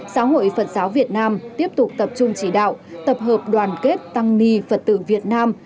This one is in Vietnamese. giáo hội phật giáo việt nam tiếp tục tập trung chỉ đạo tập hợp đoàn kết tăng ni phật tử việt nam